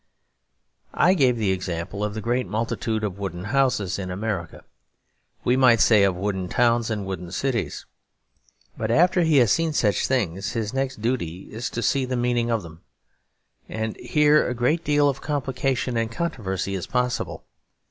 I gave the example of the great multitude of wooden houses in America; we might say of wooden towns and wooden cities. But after he has seen such things, his next duty is to see the meaning of them; and here a great deal of complication and controversy is possible.